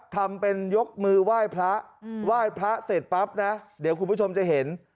ทำเป็นยกมือไหว้พระไหว้พระเสร็จปั๊บนะเดี๋ยวคุณผู้ชมจะเห็น